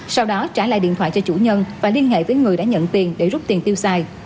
sau đó trả lại điện thoại cho chủ nhân và liên hệ với người đã nhận tiền để rút tiền tiêu xài